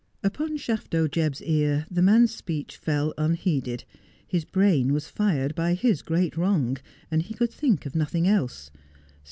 Upon Shafto Jebb's ear the man's speech fell unheeded. His brain was fired by his great wrong, and he could think of nothing else.